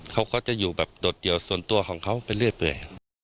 เขาก็จะอยู่แบบโดดเดี่ยวส่วนตัวของเขาไปเรื่อย